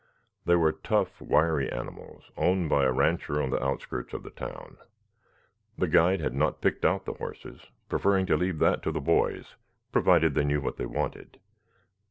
They were tough, wiry animals, owned by a rancher on the outskirts of the town. The guide had not picked out the horses, preferring to leave that to the boys, provided they knew what they wanted.